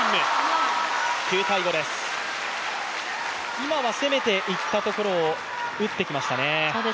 今は攻めていったところを打ってきましたね。